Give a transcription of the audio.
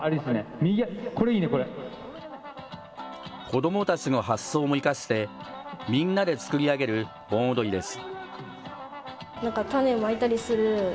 子どもたちの発想も生かしてみんなで作り上げる盆踊りです。